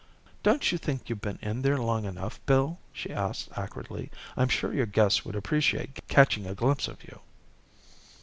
"Don't you think you've been in there long enough, Bill?" she asked acridly. "I'm sure your guests would appreciate catching a glimpse of you."